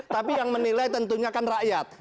tapi yang menilai tentunya kan rakyat